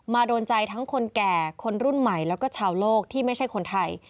โดนใจทั้งคนแก่คนรุ่นใหม่แล้วก็ชาวโลกที่ไม่ใช่คนไทย